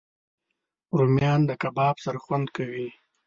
رومیان د کباب سره خوند کوي